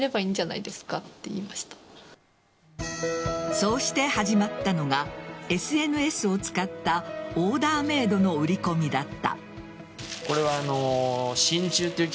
そうして始まったのがＳＮＳを使ったオーダーメイドの売り込みだった。